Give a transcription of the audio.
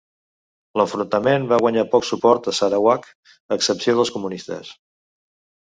L'enfrontament va guanyar poc suport a Sarawak excepció dels comunistes.